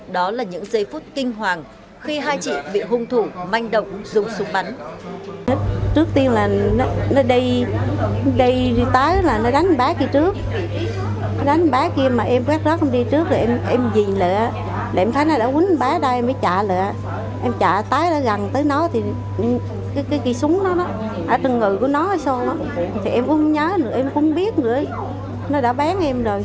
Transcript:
đó là những giây phút kinh hoàng khi hai chị bị hung thủ manh động dùng súng bắn